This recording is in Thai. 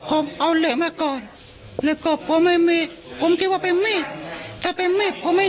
เราไม่ได้ต่อสู้อะไรเราแค่ป้องกันตัวเฉย